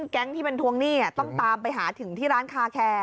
แก๊งที่เป็นทวงหนี้ต้องตามไปหาถึงที่ร้านคาแคร์